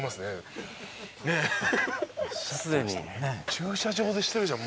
駐車場でしてるじゃん